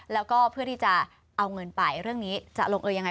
แล้วก็เพื่อที่จะเอาเงินไปเรื่องนี้จะลงเออยังไง